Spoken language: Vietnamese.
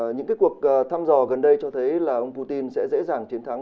những cuộc thăm dò gần đây cho thấy là ông putin sẽ dễ dàng chiến thắng